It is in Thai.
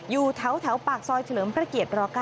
อยู่แถวปากซอยเฉลิมพระเกียรติร๙